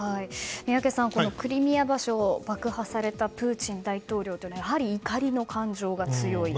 宮家さん、クリミア橋を爆破されたプーチン大統領というのはやはり怒りの感情が強い？